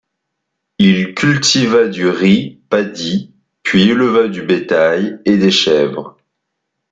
Il cultiva du riz -Padi-, puis éleva du bétail, et des chèvres.